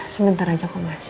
sebentar aja kok mas